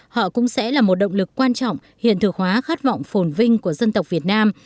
họ cũng sẽ là một động lực quan trọng hiện thực hóa khát vọng phồn vinh của dân tộc việt nam